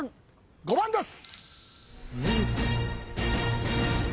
５番です。